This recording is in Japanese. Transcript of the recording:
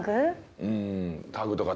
うん。